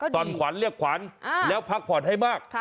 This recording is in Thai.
่อนขวัญเรียกขวัญแล้วพักผ่อนให้มาก